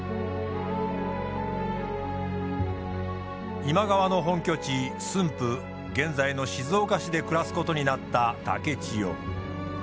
今川の本拠地駿府現在の静岡市で暮らすことになった竹千代。